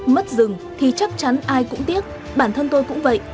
mất rừng thì chắc chắn ai cũng tiếc bản thân tôi cũng vậy